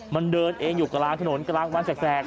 มันเดินเองอยู่กลางถนนกลางวันแสก